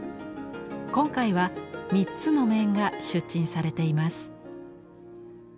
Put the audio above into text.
今回は３つの面が出陳されています。